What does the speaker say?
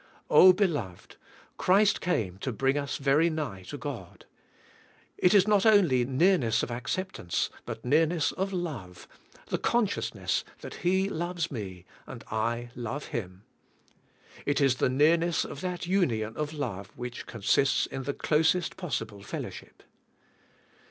Oh ! beloved, Christ came to bring us very nigh to God. It is not only nearness of acceptancebut nearness of love, the consciousness that He loves me and I love Him. It is the nearness of that union of love which con sists in the closest possible fellowship.